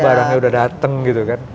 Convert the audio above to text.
barangnya udah dateng gitu kan